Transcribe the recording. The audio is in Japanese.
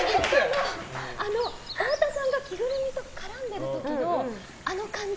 太田さんが着ぐるみと絡んでる時のあの感じ。